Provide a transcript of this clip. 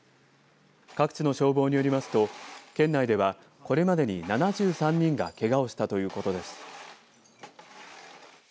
各地の消防によりますと県内ではこれまでに７３人がけがをしたということです。